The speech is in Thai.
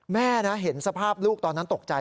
แม่นะเห็นสภาพลูกตอนนั้นตกใจ